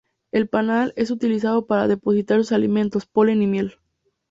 El panal es utilizado para depositar sus alimentos: polen y miel.